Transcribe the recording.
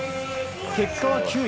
結果は９位。